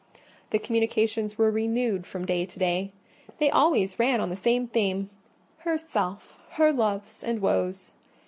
The communications were renewed from day to day: they always ran on the same theme—herself, her loves, and woes.